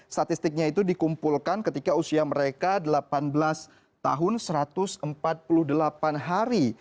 statistiknya itu dikumpulkan ketika usia mereka delapan belas tahun satu ratus empat puluh delapan hari